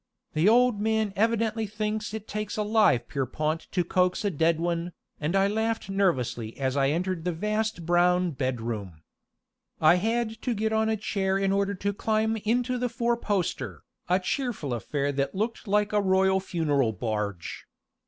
"The old man evidently thinks it takes a live Pierrepont to coax a dead one," and I laughed nervously as I entered the vast brown bedroom. I had to get on a chair in order to climb into the four poster, a cheerful affair that looked like a royal funeral barge.